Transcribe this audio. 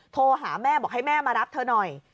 โทรหาแม่บอกให้แม่มารับเธอหน่อย